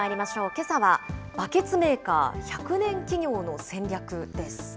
けさは、バケツメーカー１００年企業の戦略です。